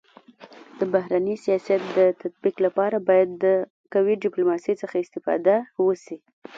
د بهرني سیاست د تطبيق لپاره باید د قوي ډيپلوماسی څخه استفاده وسي.